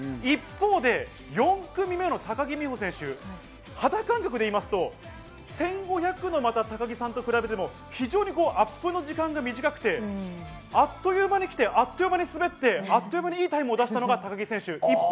一方で４組目の高木選手、肌感覚でいいますと１５００の高木さんと比べても非常にアップの時間が短くて、あっという間に来て、あっという間に滑って、あっという間にいいタイムを出した。